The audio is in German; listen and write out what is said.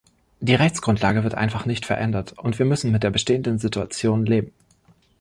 Die Rechtsgrundlage wird einfach nicht verändert, und wir müssen mit der bestehenden Situation leben.